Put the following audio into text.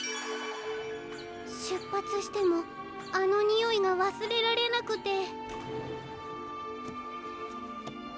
しゅっぱつしてもあのにおいがわすれられなくて。